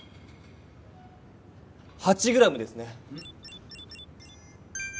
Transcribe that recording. ８ｇですね。